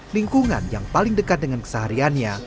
lingkungan yang paling dekat dengan kesehariannya